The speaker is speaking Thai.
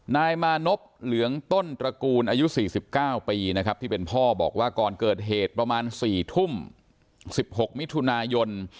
นายมานพเหลืองต้นตระกูลอายุ๔๙ปีนะครับที่เป็นพ่อบอกว่าก่อนเกิดเหตุประมาณ๔ทุ่ม๑๖มิถุนายน